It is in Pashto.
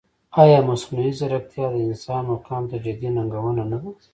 ایا مصنوعي ځیرکتیا د انسان مقام ته جدي ننګونه نه ده؟